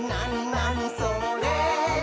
なにそれ？」